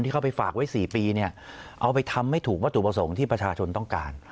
เข้าไปฝากไว้๔ปีเนี่ยเอาไปทำไม่ถูกวัตถุประสงค์ที่ประชาชนต้องการ